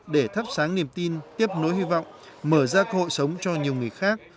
để thắp sáng niềm tin tiếp nối hy vọng mở ra cơ hội sống cho nhiều người khác